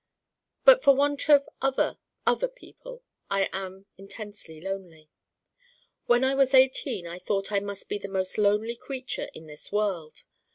But for want of other, other people I am intensely lonely. When I was eighteen I thought I must be the most lonely creature in this world.